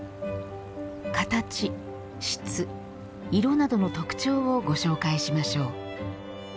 形、質、色などの特徴をご紹介しましょう。